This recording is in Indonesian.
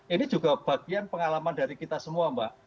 ini juga bagian pengalaman dari kita semua mbak